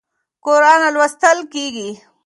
قرآن لوستل کېږي.